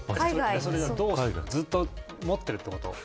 ずっと持ってるってこと。